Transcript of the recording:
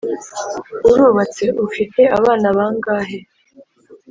urubatse? ufite abana bangahe?